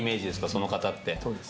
その方って。